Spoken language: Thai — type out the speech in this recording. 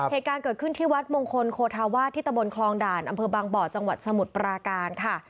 เหตุการณ์เกิดขึ้นที่วัดมงคลโคธาวาสที่ตะบนคลองด่านอำเภอบางบ่อจังหวัดสมุทรปราการค่ะ